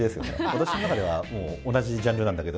私の中ではもう、同じジャンルなんだけど。